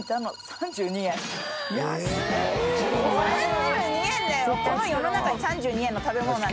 ３２円だよ